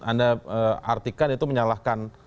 anda artikan itu menyalahkan